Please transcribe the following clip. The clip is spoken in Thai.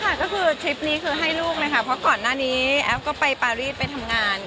ค่ะก็คือทริปนี้คือให้ลูกเลยค่ะเพราะก่อนหน้านี้แอฟก็ไปปารีสไปทำงาน